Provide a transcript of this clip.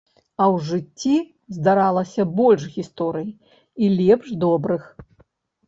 А ў жыцці здаралася больш гісторый, і лепш добрых.